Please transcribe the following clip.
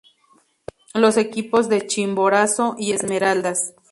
Los equipos de Chimborazo y Esmeraldas.